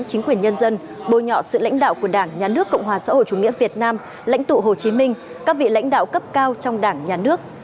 chính quyền nhân dân bôi nhọ sự lãnh đạo của đảng nhà nước cộng hòa xã hội chủ nghĩa việt nam lãnh tụ hồ chí minh các vị lãnh đạo cấp cao trong đảng nhà nước